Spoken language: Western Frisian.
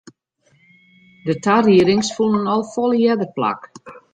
De tariedings fûnen al folle earder plak.